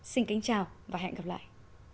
xin kính chào và hẹn gặp lại